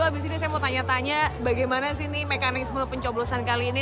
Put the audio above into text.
abis ini saya mau tanya tanya bagaimana sih mekanisme pencoblosan kali ini